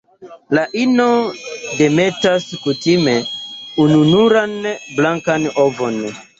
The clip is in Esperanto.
La ino demetas kutime ununuran blankan ovon.